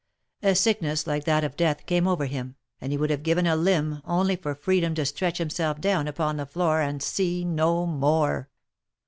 A sickness like that of death came over him, and he would have given a limb, only for freedom to stretch himself down upon the floor and see no more.